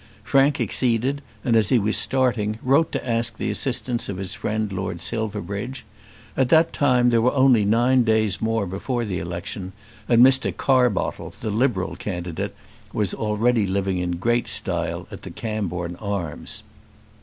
Frank acceded, and as he was starting wrote to ask the assistance of his friend Lord Silverbridge. At that time there were only nine days more before the election, and Mr. Carbottle, the Liberal candidate, was already living in great style at the Camborne Arms.